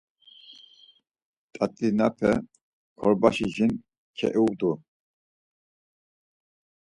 Tatinape korbaşi jin keudu.